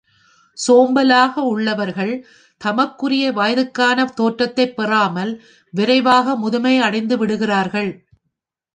சோம்பலாக உள்ளவர்கள் தமக்குரிய வயதுக்கான தோற்றத்தைப் பெறாமல் விரைவாக முதுமை அடைந்து விடுகின்றார்கள்.